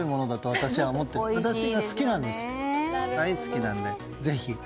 私が大好きなので、ぜひ。